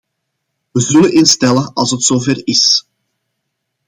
We zullen eens tellen als het zo ver is.